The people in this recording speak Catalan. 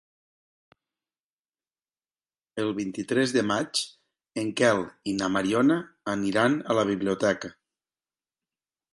El vint-i-tres de maig en Quel i na Mariona aniran a la biblioteca.